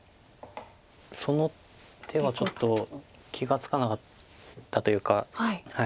その手はちょっと気が付かなかったというか。